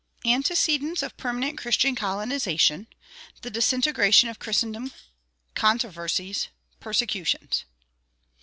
ANTECEDENTS OF PERMANENT CHRISTIAN COLONIZATION THE DISINTEGRATION OF CHRISTENDOM CONTROVERSIES PERSECUTIONS.